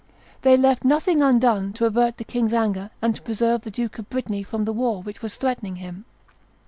They left nothing undone to avert the king's anger and to preserve the Duke of Brittany from the war which was threatening him.